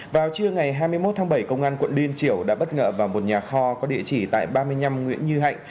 vào trưa ngày hai mươi một tháng bảy công an quận liên triểu đã bất ngờ vào một nhà kho có địa chỉ tại ba mươi năm nguyễn như hạnh